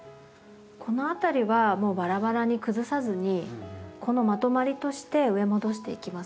この辺りはもうバラバラに崩さずにこのまとまりとして植え戻していきます。